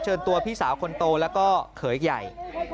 ตัวพี่สาวคนโตแล้วก็เขยใหญ่